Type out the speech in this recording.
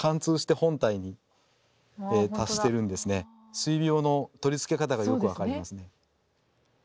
水瓶の取り付け方がよく分かりますね。